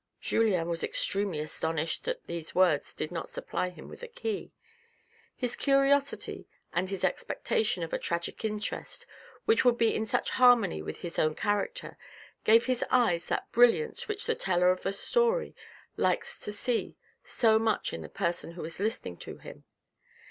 Julien was extremely astonished that these words did not supply him with the key. His curiosity and his expectation of a tragic interest which would be in such harmony with his own character gave his eyes that brilliance which the teller of a story likes to see so much in the person who is listening to him.